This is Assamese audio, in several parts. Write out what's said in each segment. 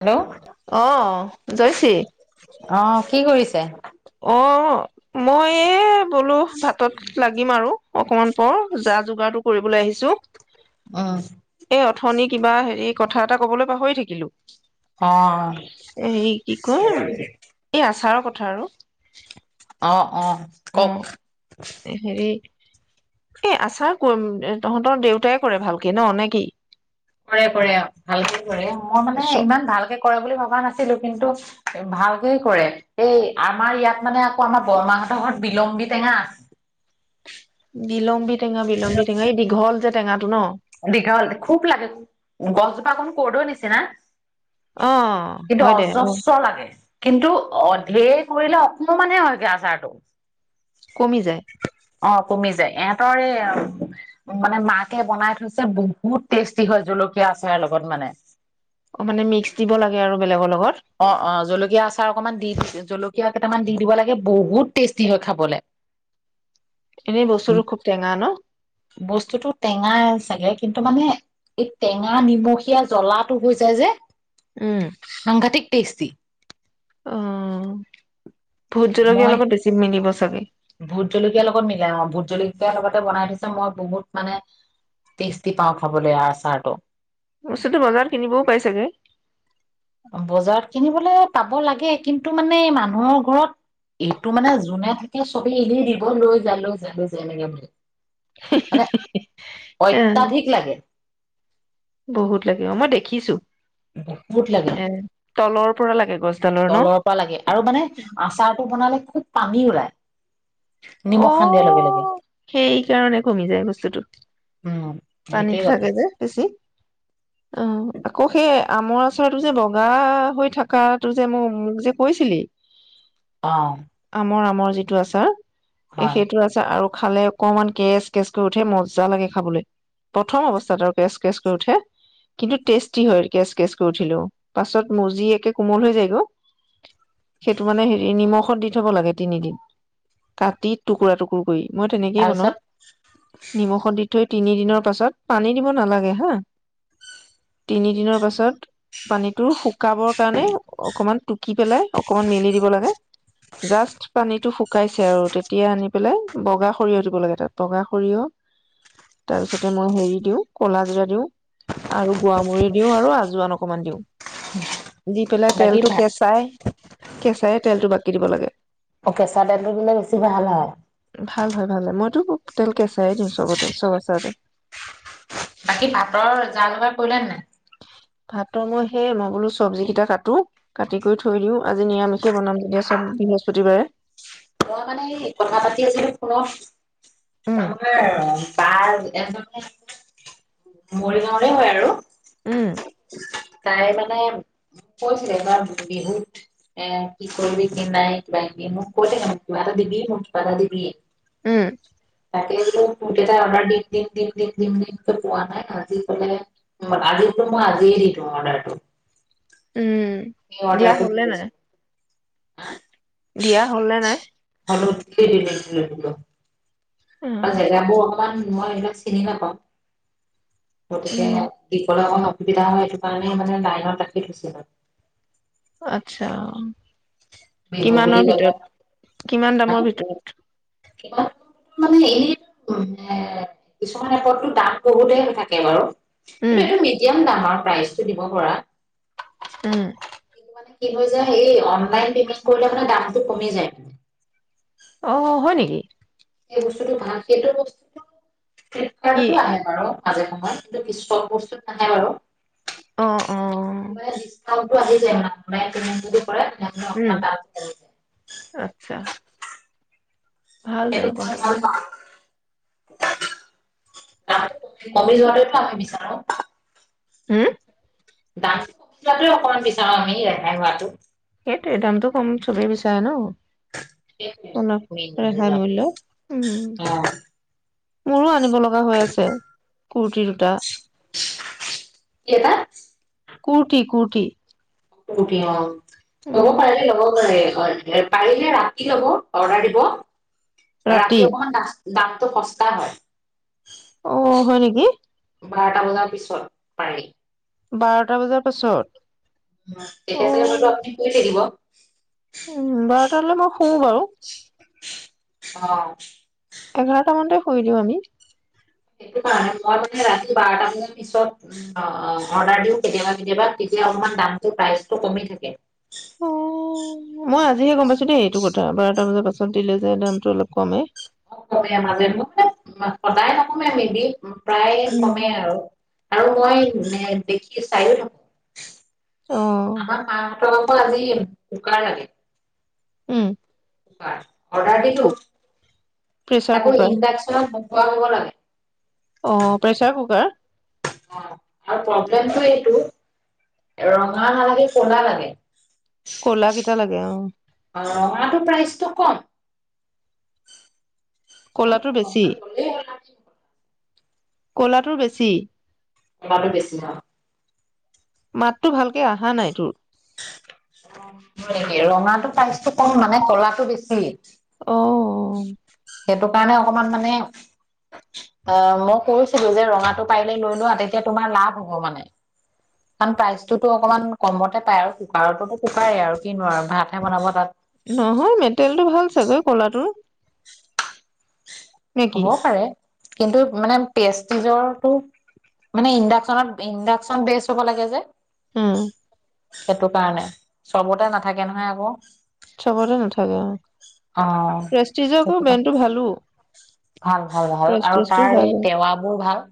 হেল্ল' আঁহ জয়শি অ কি কৰিছে অঁ মই এই বলো ভাতত লাগিম আৰু অকনমান পাছত প যা যোগাৰটোক ফুৰিবলৈ আহিছো। অঁ এই অথনি কিবা হেৰি কথা এটা কবলৈ পাহৰি থাকিলো অ এই কি কয় এই আচাৰৰ কথা কথা আৰু অ। অ কওক উম, হেৰি এ আচাৰ কৰিম তহঁতৰ দেউতাই কৰে ভালকে ন নে কি কৰে কৰে ভালকে কৰে, মই মানে চ ইমান ভালকে কৰে বুলি ভাব ভবা নাছিলো কিন্তু ভালকেই কৰে এই আমাৰ ইয়াত মানে আকৌ আমাৰ বৰমাহঁতৰ ঘৰত বিলম্বী টেঙা আছে। বিলম্বী টেঙা বিলম্বী টেঙা এই দীঘল যে টেঙা দীঘল খুব লাগে গছজোপা অকণ কৰ্দৈ নিছিনা। অ', কিন্তু হয় দে অজস্ৰ লাগে, কিন্তু অধে কৰিলে অকমানহে হয়গে আচাৰটো। কমি যায়। অ কমি যায় ইহঁতৰ এই মানে মাকে বনাই থৈছে। যে বহুত টেষ্টি হয় জলকীয়া আচাৰৰ লগত মানে। অ', মানে মিক্স দিব লাগে আৰু বেলেগৰ লগত। অ', অ', জলকীয়া আচাৰ অকনমান দি জল জলকীয়া কেইটামান দি দিব লাগে বহুত টেষ্টি হয় খাবলে। এনেই বস্তুো খুব টেঙা ন? বস্তুটো টেঙাই চাগে কিন্তু মানে এই টেঙা, নিমখীয়া, জ্বলাটো হৈ যায় যে। উম সাংঘাতিক থ্ৰি অ। ভোট জলকীয়া মই লগত বেছি মিলিব চবে ভোট জলকীয়া লগত মিলাই অ', ভোট জলকীয়া লগতে বনাই থৈছে মই বহুত মানে টেষ্টি পাওঁ খাবলে আচাৰটো। বস্তুটো বজাৰত কিনিবও পাই চাগে। বজাৰত কিনিবলে পাব লাগে কিন্তু মানে মানুহৰ ঘৰত এইটো মানে যোনে থাকে চবে এনে দিব লৈ যা লৈ যা লৈ যা এনেকে বুলি। মানে এ অত্যাধিক লাগে। বহুত লাগে অ', মই দেখিছো। বহুত লাগে, এ তলৰ পৰা লাগে গছডালৰ ন তলৰ পৰা লাগে আৰু মানে আচাৰটো বনালে খুব পানী উলাই। অঁ সেই কাৰণে কমি যায় বস্তুটো উম সেইটোৱে পানীটো কথা থাকে যে বেছি অ আকৌ সেই আমৰ আচাৰটো যে বগা হৈ থকাটো যে মোক মোক যে কৈছিলি অঁ মই আমৰ যিটো আচাৰ এ সেইটো আছে আৰু খালে অকমান কেচ কেচ কৰি উঠে মজা লাগে খাবলৈ প্ৰথম অৱস্থাত আৰু কেচ কেচ কৰি উঠে কিন্তু টেষ্টি হয় কেচ কেচ কৰি উঠিলেও পাছত মজি একে কোমল হৈ গৈ সেইটো মানে হেৰি নিমখত দি থব লাগে তিনিদিন কাটি টুকুৰা টুকুৰ কৰি মই তেনেকেই বনাও তাৰপিছত নিমখত দি থৈ তিনি দিনৰ পাছত পানী দিব নালাগে হা তিনি দিনৰ পাছত পানীটো শুকাবৰ কাৰণে অকমান টুকি পেলাই অকমান মেলি দিব লাগে জাষ্ট পানীটো শুকাইছে আৰু তেতিয়া আনি পেলাই বগা সৰিয়হ দিব লাগে তাত বগা সৰিয়হ তাৰ পিছতে মই হেৰি দিওঁ কলা জিৰা দিওঁ আৰু জীৰামূৰি দিও আৰু আজৱাইন অক অকমান দিওঁ দি পেলাই বাকী তেলটো ভাত কেঁচাই কেঁচাই তেলটো বাকি দিব লাগে অ কেঁচা দাইলটো দিলে বেছি ভাল হয় ভাল হয় ভাল মইতো তেল কেচাঁইে দিওঁ চবতে চব আচাৰতে বাকী ভাতৰ যা যোগাৰ কৰিলা নে নাই ভাতৰ মই সেই মই বোলো চবজি কেইটা কাটো কাটি কৰি থৈ দিওঁ আজি নিৰামিষেই বনাম যেতিয়া চব বৃহস্পতিবাৰে মই মানে এই কথা পাতি আছিলো ফোনত উম আমাৰ বা এজনী মৰিগাঁওৰে হয় আৰু উম তাই মানে মোক কৈছিল এবাৰ বিহুত এ কি কৰিবি কি নাই কিবা কিবি মোক কৈ থাকে এটা দিবি মোক কিবা এটা দিবি উম তাকেই বোলো মূৰ্তি এটা অৰ্ডাৰ দিম দিম দিম দিম দিম দিমকে পোৱা নাই আজি পালে আজি বোলো মই আজিয়ে দি দিওঁ অৰ্ডাৰটো উম সেই দিয়া অৰ্ডাৰটো দি হ'ল নে নাই দিছো দিয়া হ'ল নে নাই [inaudible] [unintelligible] উম তাৰ জেগাবোৰ অকমান মই একদম চিনি নাপাওঁ গতিকে উম দীঘল অক অসুবিধা হয় সেইটো কাৰণে মানে লাইনত ৰাখি থৈছিলোঁ আচ্ছা বিহু বুলি কিমানৰ ক'লে ভিতৰত কিমান হা দামৰ ভিতৰত মানে এনে কিছুমান এপতো দাম বহুতে থাকে বাৰু এইটো উম এইটো মিডিয়াম দাম আৰু প্ৰাইচটো দিব পৰা উম লন কৰিলে মানে দামটো কমি যায় অ হয় নেকি এই বস্তুটো ভাল সেইটো বস্তুটো কি ফ্লিপকাৰ্টতো আহে বাৰু মাজে সময়ত কিন্তু কি ছব বস্তু নাহে বাৰু অ অ সেইটো মানে [unintelligible] উম, দামটো কমি যায় আচ্ছা। ভাল এটো তেনেকুৱা হ'লে ভালা কমি যোৱাটোতো আমি বিচাৰো। হম। দান অকমান বিচাৰ ননটো সেইটোৱে দামটো কম চবেই বিচাৰে ন'। অলপ মে ৰেহাই যাম মূল্য উম অ'। মোৰো আ, লগা হৈ আছে কুৰ্তি দুটা। কি এটা কুৰ্তি, কুৰ্তি। কুৰ্তি অ'। ল'ব উম পাৰিলে লগ কৰে। পাৰিলে ৰাতি হ'ব, অৰ্ডাৰ দিব। ৰাতি অকমান নাচ দাঁতটো সস্তা হয়। অ', হয় নেকি? বাৰটা বজাৰ পিছত পাৰি। বাৰটা বজাৰ পাছত। অ তেতিয়া চাগে হয়টো আপুনি শুই থাকিব। [inaudible] উম, বাৰটাকৈ মই শু বাৰু। অ'। এঘাৰটামানতে শুই দিওঁ আমি। সেইটো কাৰ মই মানে ৰাতি বাৰ পিছত অৰ্ডাৰ দিওঁ কেতিয়াবা কেতিয়াবা তেতিয়া অলমান দামটো প্ৰইজটো কমি থাকে। অ', মই আজিহে গম পাইছো দেই এইটো ক বাৰটা বজাৰ পাছত দিলে যোয় দামটো অলপ কমে। অ', কমে মাজে মাজে সদায় নকমে মেদি প্ৰায় উম কমে আৰু। আৰু মই দেখি চায়ো নহ অ আমাৰ মাহঁতৰ কা আজি উকা লাগে। উম। হয়। অৰ্ডাৰ দিলো প্ৰেচাৰ তাকো কুকাৰ ইন্ডাকচন ৱাদ হ'ব লাগে। অ', প্ৰেচাৰ কুকাৰ। অ আৰু প্ৰব্লেমটো এইটো ৰঙা নালাগে কলা লাগে ক'লা কেইটা লাগে অ আৰু প্ৰাইচটো কম মই কলাটো বোলো বেছি ৰঙা ললেই হ'ল আমি কলাটো বেছি বেছ নহ মাততো ভালকে অহা নাই তোৰ নেকি ৰঙাটো চাইজটো কম মানে কলাটো বেছি অ সেইটো কাৰণে অকমান মানে অ মই কৈছিলো যে ৰঙাটো পাৰিলে লৈ লোৱা তেতিয়া তোমাৰ লাভ হ'ব মানে কাৰণ প্ৰাইচটোতো অকমান কমতে পায় আৰু কুকাৰতোো কুকাৰেই আৰু কিিনোোৱাৰ ভাতহে বনাব তাত নহয় মেটেৰিয়েলটো ভাল চাগৈ ক'লাটোৰ নে কি হ'বও পাৰে কিন্তু মানে পেষ্টিজৰটো মানে ইণ্ডাকচনত ইণ্ডাকচন বেচ হ'ব লাগে যে উম সেইটো কাৰণে চবতে নাথাকে নহয় আকৌ চবৰে নাথাকে হয় অ স ভালো ভাল ভাল ভাল আৰু প্ৰেষ্টিজটো তাৰ ভাল এই অ। টেৱাবোৰ ভাল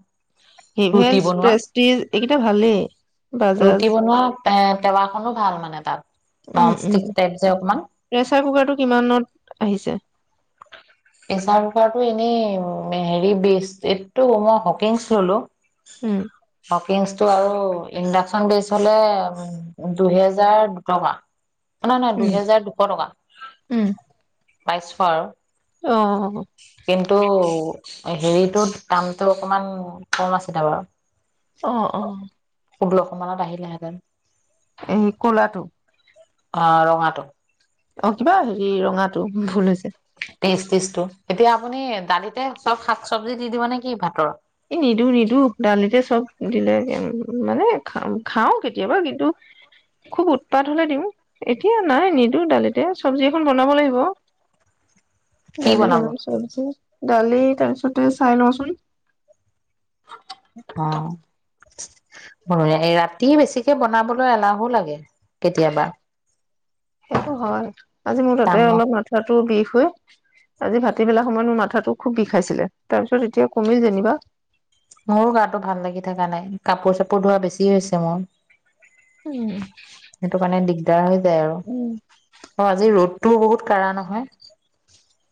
ৰুটি হিভেলছ বনোৱা প্ৰেষ্টিজ এইকেইটা ভালেই বাজাজ ৰুটি বনোৱা এ টাৱাখনো ভাল মানে তাত নন ষ্টিক টাইপ যে অকমান প্ৰেছাৰ কুকাৰটো কিমানত আহিছে পেচাৰ কোকাৰটো এনেই হেৰি বেষ্ট এইটো মই হকিংছ ললো উম হটকেছটো আৰু ইণ্ডাকচন বেচ হলে দুহেজাৰ দুটকা নহাই নহাই উম দুহেজাৰ দুশ টকা উম পাইছো আৰু অ কিন্তু হেৰিটোত দামটো অকমান কম আছিলে বাৰু অ অ ্ [unintelligible] লশানত আহিলেহেঁতেন এই কলাটো অ ৰঙাটো অ কিবা হেৰি ৰঙাটো ভুল হৈছে ে [unintelligible] ষ্টটো এতিয়া আপুনি দালিতে চব শাক চব্জি দি দিব নে কি ভাতৰত এ নিদো নিদো দালিতে চব দিলে মানো খাওঁ কেতিয়াবা কিন্তু খুব উৎপাত হলে দিওঁ এতিয়া নাই নিদো দালিতে চবজি এখন বনাব লাগিব কি ডালি বনাব বনাম চব্জি দালি তাৰপিছতে চাই লচোন উ অ ৰাতি বেছিকে বনাবলৈ এলাহো লাগে কেতিয়াবা সেইটো হয় আজি মোৰ তাতে কাম অলপ মাথটো বিষ আজি ভাটিবেলা সময়ত মোৰ মাথাটো খুব বিষাইছিলে তাৰপিছত এতিয়া কমিল যেনিবা মোৰো গাটো ভাল লাগি থকা নাই কাপোৰ চাপোৰ ধোৱা বেছি হৈছে মোৰ উম সেইটো কাৰণে দিগদাৰ হৈ আৰু অ আজি ৰ'দ তোৰ বহুত কঢ়া নহয়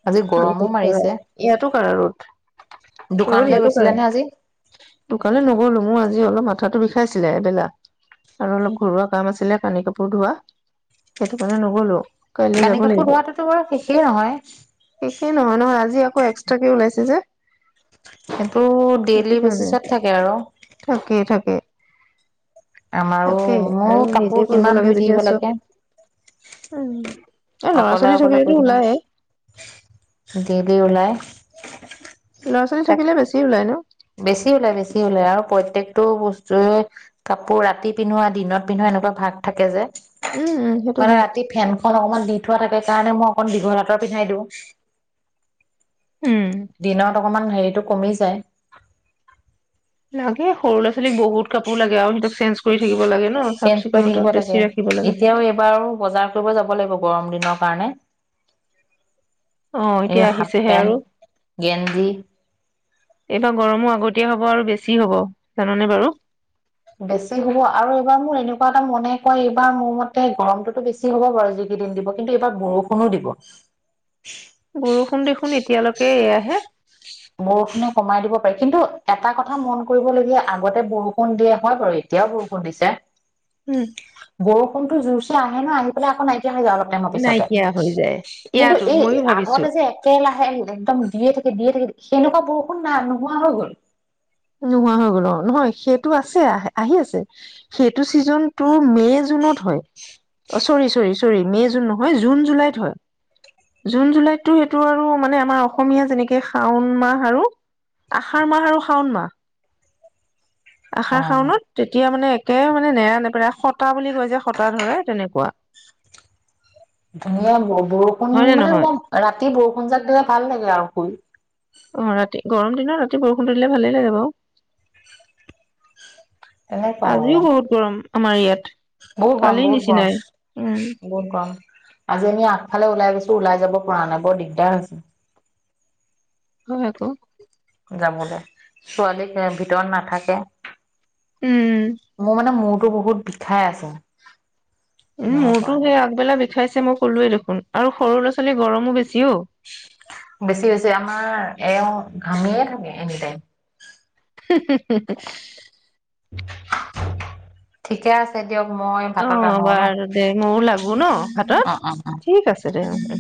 আজি গৰমো বহুত কাৰা মাৰিছে ইয়াতো কাঢ়া ৰ'দ ৰ'দ দোকানলৈ গৈছিলে নে আজি ইয়াতো দোকানলৈ নগলো মো আজ আজি অলপ মাথাটো বিষাইছিলে এবেলা আৰু অলপ ঘৰুৱা কাম আছিলে কানি কাপোৰ ধোৱা সেইটো কাৰণে নগলো কাইলৈ যাব কানি কাপোৰ ধোৱাটোতো বাৰ শেষেই নহয় একেইে নহয় নহয় আজি আকৌ এক্সট্ৰাকে ওলাইছে এ যে এইটো সেইটো ডেইলি কাৰণে বেচিছত থাকে আৰু থাকেই থাকে আমাৰো তাকে মোৰ আৰু নিজে কাপোৰ কৰিব কিমান লাগে ধুই যেতিয়া থাকিব চব লাগে এই ল'ৰা ছোৱালী থাকিলেতো ওলাইে ডেলি ওলাই ল'ৰা ছোৱালী তাক থাকিলে বেছি ওলায় ন বেছি ওলাই বেছি ওলাই আৰু প্ৰত্য়েকতটো বস্তুৱে কাপোৰ ৰাতি পিন্ধোৱা দিনত পিন্ধোৱা এনেকুৱা ভাগ থাকে যে উম উম সেইটো মানে হয় ৰাতি ফেনখনন অকমান দি উঠোৱা থাকে কাৰণে মই অক দীঘল লতৰ পিন্ধাই দিওঁ উম দিন ত অকমান হেৰিতটো কমি যায় তে সৰু ল' ছোৱালীক বহুত কাপোৰ লাগে আৰু সিহতক চঞ্জ কৰি থিব লাগে ন চাফ চেঞ্জ কৰি থাকিব চিকুণতাত বেছি লাগে ৰাখিব লাগে এতিয়াও এইবাৰো বজাৰ ব যাব লাগিব গৰম দিনৰ কাৰণে অ এই এতিয়া হাফ আহিছেহে আৰু পেণ্ট গেঞ্জি এইবাৰ গৰমো আগতীয়া হব আৰু বেছি হব জাননেে বাৰু বেছি হ'ব আৰু এইবাৰ মোৰ এনেকুৱা এটা মনে কয় এইবাৰ মোৰ মতে গৰমটোতো বেছি হব বাৰু যিকেইদিন দিব কিন্তু এইবাৰ বৰষুণো দিব বৰষুণ দেখোন এতিয়ালৈকে এয়াহে বৰষুনক সমাই দিব পাৰি কিন্তু এটা কথা মন কৰিবলগীয়া আগতে বৰষুণ দিয়ে হয় বাৰু এতিয়াও বৰষুণ দিছে উম বৰষুণতো জোৰ আহি পেলই আ একৌ নাই যাওঁ অলপ টাইমৰ পিছতে নাইকিয়া হৈ যায় কিন্তু ইয়াতো এই ময়ো ভাবিছো। আগতে যে একে লাহে একদম দে থ দিয় থ সেনেকুৱা বৰষুণ না নোহোৱা হৈ গ'ল নোহোৱা হৈ গল অ নহয় সেইটো আছে আহি আছে সেইটো ছিজনটো মে জুনত হয় চৰি চৰি চৰি মে জুন নহয় জুন জুলাইত হয় জুন জুলাইততো সেইটো আৰু মানে আমাৰ অসমীয়া যেনেকে শাওন মাহ আৰু আহষাৰ মাহ আৰু শাওন মাহ [inaudible] অ আশাৰ শাওনত তেতিয়া মানে একে মানে নেৰা নপেৰা সতা বুলি কয় যে সতা ধৰে তেনেকুৱা ন [unintelligible] বৰষুণ হয় নে মানে নহয় মই ৰাতি বৰষুণ যাক দিলে ভাল লাগে আৰু শুই অ', ৰাতি গৰম দিনত ৰাতি বৰষুণ দিলে ভালেই লাগে বাৰু তেনেকুৱা আৰু আজিও বহুত গৰম আমাৰ ইয়াত বহুত গৰম কালি বহুত গৰম নিচিনাই উম বহুত গৰম। আজি আমি আগফালে ওলাই গৈছো ওলাই যাব পৰা নাই বৰ দিগদাৰ হৈছে হয় ক যামোলে ছোৱালী ভিতৰত নাথাকে উম, মোৰ মানে মোৰ টো বহুত বিষাই আছে উম ধৰিব পৰা মূৰটো নাই হে আগবেলা ব খায়ছে মই ক'লোৱে দেখোন আৰু সৰু ল' ছোৱালীৰ গৰমো বেছি অ'। বেছি হৈছে আমাৰ এওঁ ঘামিয়ে থাকে এনি তাইম উ [unintelligible] [unintelligible] ঠিকে আছে দিয়ক মই ভাতত অ', ৰান্ধো ন বাৰু দে ময়ো লাগো ন' ভাতত অ অ অ ঠিক আছে দে উম, উম।